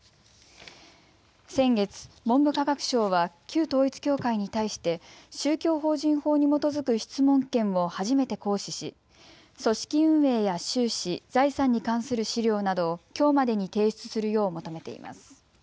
先月、文部科学省は旧統一教会に対して宗教法人法に基づく質問権を初めて行使し組織運営や収支、財産に関する資料などをきょうまでに提出するよう求めています。